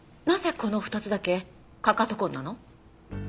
なぜこの２つだけかかと痕なの？